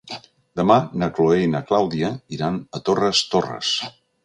Demà na Chloé i na Clàudia iran a Torres Torres.